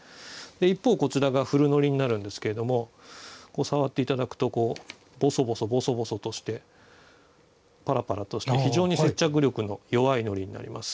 一方こちらが古糊になるんですけれども触って頂くとボソボソボソボソとしてパラパラとして非常に接着力の弱い糊になります。